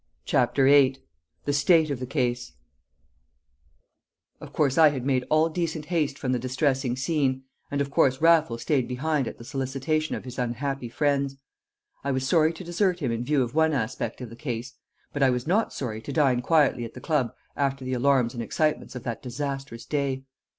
CHAPTER VIII The State of the Case Of course I made all decent haste from the distressing scene, and of course Raffles stayed behind at the solicitation of his unhappy friends. I was sorry to desert him in view of one aspect of the case; but I was not sorry to dine quietly at the club after the alarms and excitements of that disastrous day.